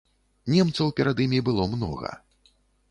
Немцаў перад імі было многа.